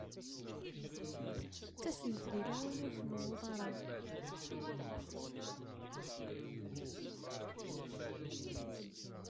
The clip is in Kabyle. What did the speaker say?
Ttasent-d deg lawan ur tnewwuḍ ara.